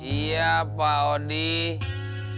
iya pak udin